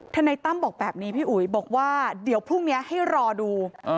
นายตั้มบอกแบบนี้พี่อุ๋ยบอกว่าเดี๋ยวพรุ่งนี้ให้รอดู